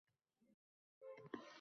Arslon atrofga quloq tutdi.